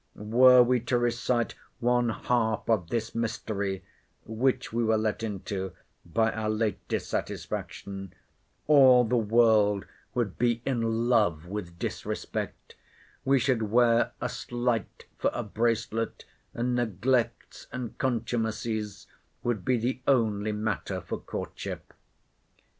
Were we to recite one half of this mystery, which we were let into by our late dissatisfaction, all the world would be in love with disrespect; we should wear a slight for a bracelet, and neglects and contumacies would be the only matter for courtship.